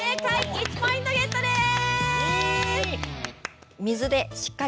１ポイントゲットです。